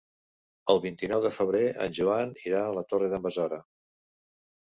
El vint-i-nou de febrer en Joan irà a la Torre d'en Besora.